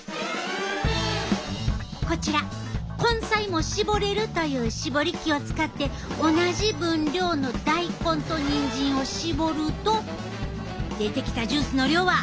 こちら根菜も搾れるという搾り機を使って同じ分量の大根とにんじんを搾ると出てきたジュースの量は。